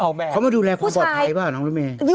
เขามาดูแลความปลอดภัยป่ะน้องรุ่นเมย์